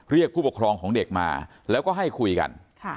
เรียกผู้ปกครองของเด็กมาแล้วก็ให้คุยกัน